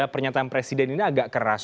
pernyataan presiden ini agak keras